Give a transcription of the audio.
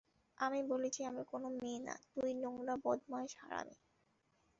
আমি বলেছি, আমি কোনো মেয়ে না, তুই-নোংরা-বদমায়েশ-হারামি!